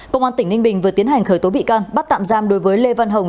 công an tỉnh ninh bình vừa tiến hành khởi tố bị can bắt tạm giam đối với lê văn hồng